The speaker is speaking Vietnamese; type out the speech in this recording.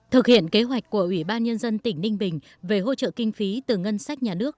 thực hiện kế hoạch của ủy ban nhân dân tỉnh ninh bình về hỗ trợ kinh phí từ ngân sách nhà nước